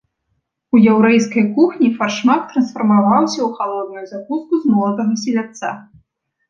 У яўрэйскай кухні фаршмак трансфармаваўся ў халодную закуску з молатага селядца.